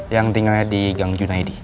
yang tinggalnya di gang junaidi